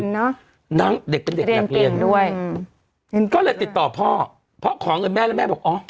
นางเด็กเป็นเด็กนักเรียนด้วยอืมก็เลยติดต่อพ่อเพราะขอเงินแม่แล้วแม่บอกอ๋อ